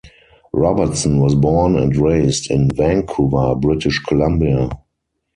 Robertson was born and raised in Vancouver, British Columbia.